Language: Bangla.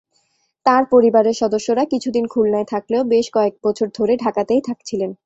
তাঁর পরিবারের সদস্যরা কিছুদিন খুলনায় থাকলেও বেশ কয়েক বছর ধরে ঢাকাতেই থাকছিলেন।